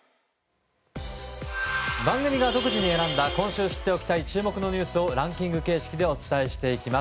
番組が独自に選んだ今週知っておきたい注目のニュースをランキング形式でお伝えしていきます。